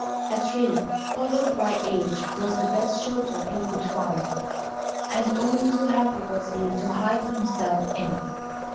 A tree, hollowed by age, was the best shelter he could find, and only too happy was he to hide himself in it.